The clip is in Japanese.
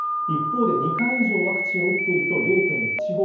一方で、２回以上ワクチンを打っていると０１５％